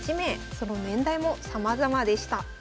その年代もさまざまでした。